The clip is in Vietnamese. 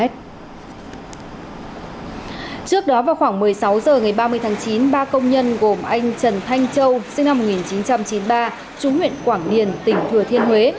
trước đó vào khoảng một mươi sáu h ngày ba mươi tháng chín ba công nhân gồm anh trần thanh châu sinh năm một nghìn chín trăm chín mươi ba chú huyện quảng điền tỉnh thừa thiên huế